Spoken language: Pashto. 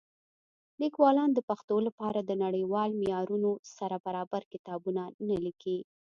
لیکوالان د پښتو لپاره د نړیوالو معیارونو سره برابر کتابونه نه لیکي.